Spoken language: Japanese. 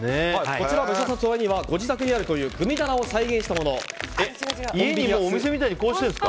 こちらは武者さんのご自宅にあるというグミ棚を再現したものです。